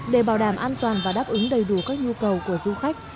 để bảo đảm an toàn và đáp ứng đầy đủ các nhu cầu của du khách